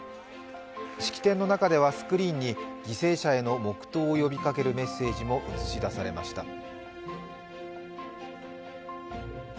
式典の中ではスクリーンに犠牲者への黙とうを呼びかけるメッセージも映し出されました。